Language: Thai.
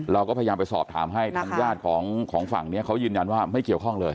เราก็พยายามไปสอบถามให้ทางญาติของฝั่งนี้เขายืนยันว่าไม่เกี่ยวข้องเลย